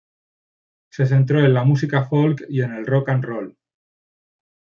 Se centró en la música "folk" y en el "rock and roll".